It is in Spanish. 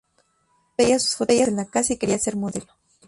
Ella veía sus fotos en la casa y quería ser modelo.